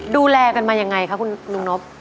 ดูแลกันมายังไงคะคุณลุงนบ